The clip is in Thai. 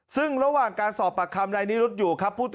ซึ่งระหว่างการสอบปากคำนายนิรุธอยู่ครับ